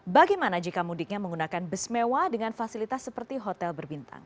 bagaimana jika mudiknya menggunakan bus mewah dengan fasilitas seperti hotel berbintang